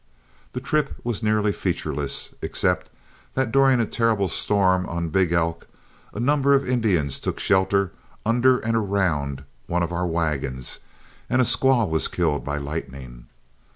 The trip was nearly featureless, except that during a terrible storm on Big Elk, a number of Indians took shelter under and around one of our wagons and a squaw was killed by lightning.